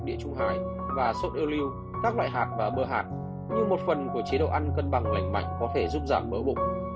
địa trung hải và sốt e lưu các loại hạt và bơ hạt nhưng một phần của chế độ ăn cân bằng lành mạnh có thể giúp giảm mỡ bụng